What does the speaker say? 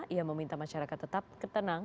ia meminta masyarakat tetap tenang